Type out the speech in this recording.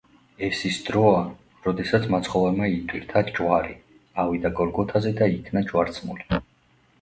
ეს ის დროა, როდესაც მაცხოვარმა იტვირთა ჯვარი, ავიდა გოლგოთაზე და იქნა ჯვარცმული.